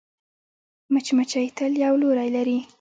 مچمچۍ تل یو لوری لري